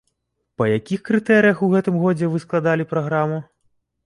Па якіх крытэрыях у гэтым годзе вы складалі праграму?